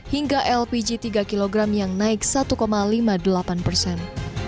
hingga lpg tiga kg yang naik satu lima puluh delapan persen